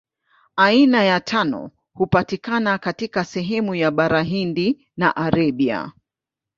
Aina ya tano hupatikana katika sehemu ya Bara Hindi na Arabia.